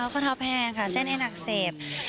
เท้าเท้าแพงค่ะเส้นในหนักเสพ